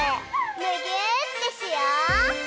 むぎゅーってしよう！